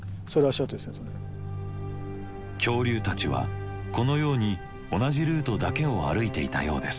恐竜たちはこのように同じルートだけを歩いていたようです。